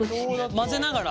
混ぜながら？